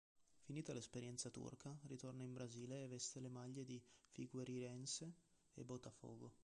Finita l'esperienza turca, ritorna in Brasile e veste le maglie di Figueirense e Botafogo.